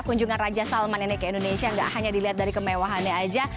kunjungan raja salman ini ke indonesia tidak hanya dilihat dari kemewahannya aja